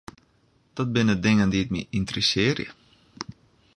Dat binne dingen dy't my ynteressearje.